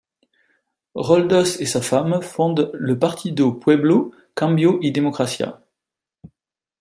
Roldós et sa femme fondent le Partido Pueblo, Cambio y Democracia.